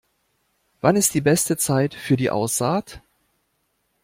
Wann ist die beste Zeit für die Aussaht?